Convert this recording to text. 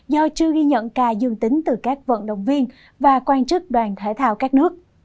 do chưa ghi nhận ca dương tính từ các vận động viên và quan chức đoàn thể thao các nước